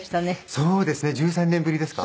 そうですね１３年ぶりですか？